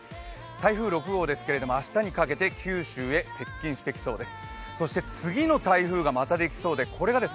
台風６号ですけど、明日にかけて九州へ接近してきそうです。